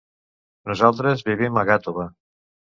Nosaltres vivim a Gàtova.